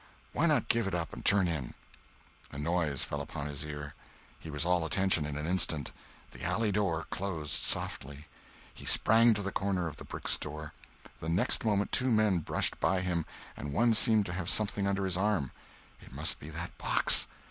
Why not give it up and turn in? A noise fell upon his ear. He was all attention in an instant. The alley door closed softly. He sprang to the corner of the brick store. The next moment two men brushed by him, and one seemed to have something under his arm. It must be that box!